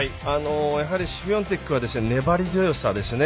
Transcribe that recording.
やはりシフィオンテクは粘り強さですね。